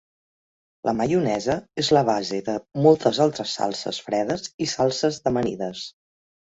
La maionesa és la base de moltes altres salses fredes i salses d'amanides.